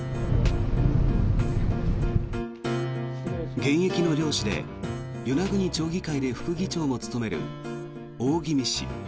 現役の漁師で与那国町議会で副議長も務める大宜見氏。